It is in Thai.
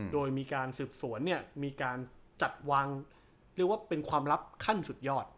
โดยมีการสืบสวนเนี่ยมีการจัดวางเรียกว่าเป็นความลับขั้นสุดยอด